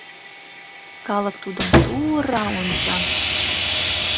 Калык тудым ту-ура онча.